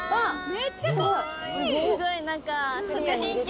めっちゃかわいい！